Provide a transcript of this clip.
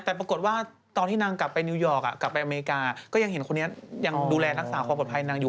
แต่ปรากฏว่าตอนที่นางกลับไปนิวยอร์กกลับไปอเมริกาก็ยังเห็นคนนี้ยังดูแลรักษาความปลอดภัยนางอยู่